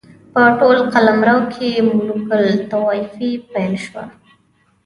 په ټول قلمرو کې ملوک الطوایفي پیل شوه.